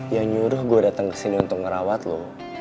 yang nyuruh gue dateng ke sini untuk ngerawat lo